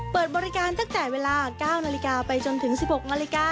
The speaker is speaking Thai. เปิดบริการตั้งแต่เวลา๙นไปจนถึง๑๖น